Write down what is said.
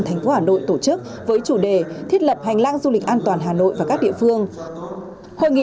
thành phố hà nội tổ chức với chủ đề thiết lập hành lang du lịch an toàn hà nội và các địa phương hội nghị